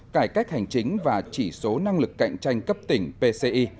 cải cách hành chính và chỉ số năng lực cạnh tranh cấp tỉnh pci